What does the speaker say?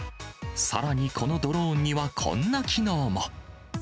さらにこのドローンにはこんな機能も。